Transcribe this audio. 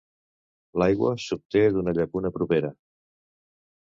L'aigua s'obté d'una llacuna propera.